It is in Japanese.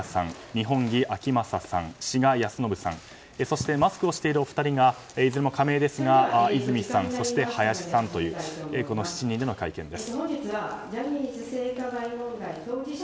二本樹顕理さん、志賀泰伸さんそしてマスクをしているお二人がいずれも仮名ですがイズミさん、ハヤシさんというこの７人での会見です。